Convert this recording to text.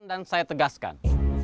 dan saya tegaskan